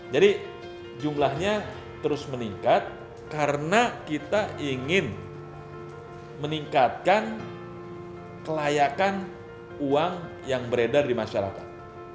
jadi jumlahnya terus meningkat karena kita ingin meningkatkan kelayakan uang yang beredar di masyarakat